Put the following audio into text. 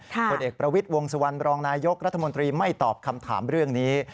ผลเอกประวิทย์วงสุวรรณรองนายกรัฐมนตรีไม่ตอบคำถามเรื่องนี้